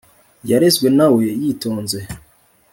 Yarezwe na we yitonze